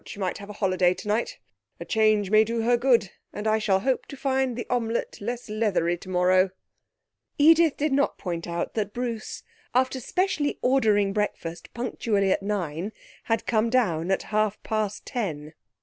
She might have a holiday tonight. A change may do her good; and I shall hope to find the omelette less leathery tomorrow.' Edith did not point out that Bruce, after specially ordering breakfast punctually at nine, had come down at half past ten.